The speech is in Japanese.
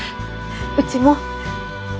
うちも。